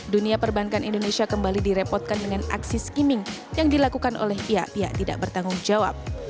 dunia perbankan indonesia kembali direpotkan dengan aksi skimming yang dilakukan oleh pihak pihak tidak bertanggung jawab